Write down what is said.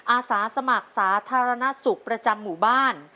อาสาสมัครสาธารณสุขประจำหมู่บ้าน